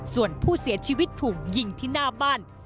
ส่วนผู้เสียชีวิตถูกยิงที่หน้าบ้าน